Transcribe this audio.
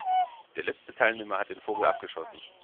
Der letzte Teilnehmer hat dann den Vogel abgeschossen.